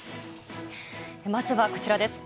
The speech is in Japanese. まずはこちらです。